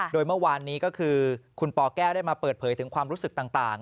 โดยเมื่อวานนี้ก็คือคุณปแก้วได้มาเปิดเผยถึงความรู้สึกต่าง